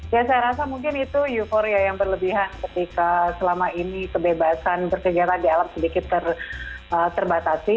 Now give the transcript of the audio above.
ya saya rasa mungkin itu euforia yang berlebihan ketika selama ini kebebasan berkegiatan di alam sedikit terbatasi